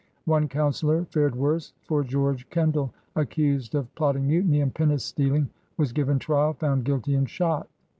One councilor fared worse, for George Kendall, accused of plot ting mutiny and pinnace stealing, was given trial, found guilty, and shot.